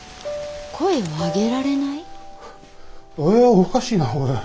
おかしいなおい。